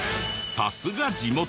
さすが地元！